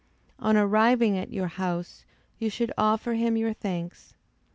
On arriving at your house, you should offer him your thanks.